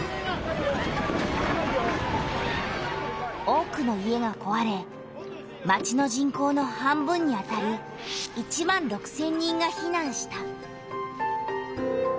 多くの家がこわれ町の人口の半分にあたる１万６千人がひなんした。